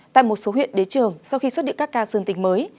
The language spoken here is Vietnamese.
tại một số huyện đế trường sau khi xuất định các ca dương tình mới